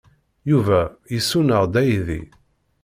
Yuba yessuneɣ-d aydi.